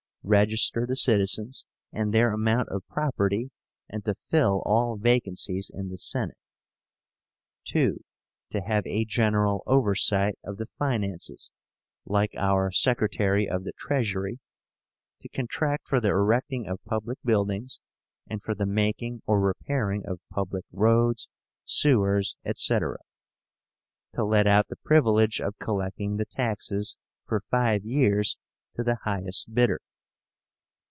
register the citizens and their amount of property, and to fill all vacancies in the Senate. (2) To have a general oversight of the finances, like our Secretary of the Treasury; to contract for the erecting of public buildings, and for the making or repairing of public roads, sewers, etc.; to let out the privilege of collecting the taxes, for five years, to the highest bidder.